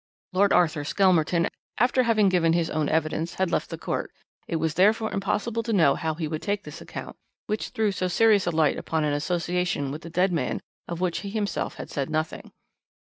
"' "Lord Arthur Skelmerton, after having given his own evidence, had left the court; it was therefore impossible to know how he would take this account, which threw so serious a light upon an association with the dead man, of which he himself had said nothing.